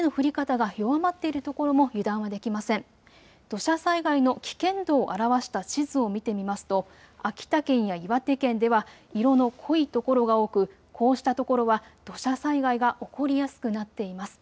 土砂災害の危険度を表した地図を見てみますと秋田県や岩手県では色の濃い所が多く、こうしたところは土砂災害が起こりやすくなっています。